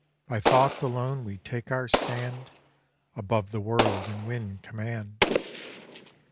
By thought alone we take our stand Above the world and win command.